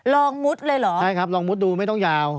มุดเลยเหรอใช่ครับลองมุดดูไม่ต้องยาว